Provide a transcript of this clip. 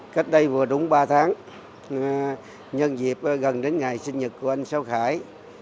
cách đây vừa đúng ba tháng nhân dịp gần đến ngày sinh nhật của anh sau khải